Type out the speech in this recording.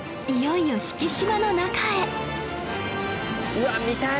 うわっ見たい！